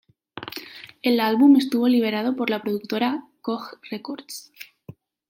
El álbum estuvo liberado por la productora Koch Records.